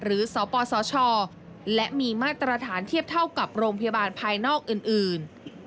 สปสชและมีมาตรฐานเทียบเท่ากับโรงพยาบาลภายนอกอื่น